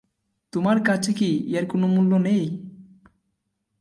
তোমার কাছে কি এর কোনো মূল্যই নেই?